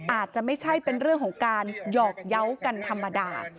อาจจะไม่ใช่เป็นเรื่องของการหยอกเยาว์กันธรรมดา